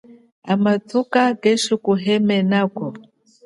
Hamafuka keshikuhehelaho.